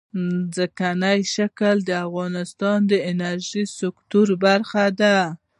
ځمکنی شکل د افغانستان د انرژۍ سکتور برخه ده.